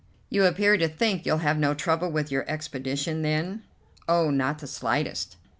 "You appear to think you'll have no trouble with your expedition, then?" "Oh, not the slightest."